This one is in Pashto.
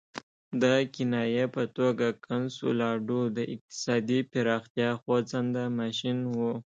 د کنایې په توګه کنسولاډو د اقتصادي پراختیا خوځنده ماشین وو.